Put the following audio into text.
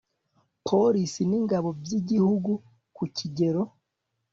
polisi n ingabo by'igihugu ku kigero